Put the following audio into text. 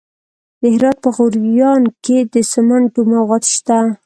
د هرات په غوریان کې د سمنټو مواد شته.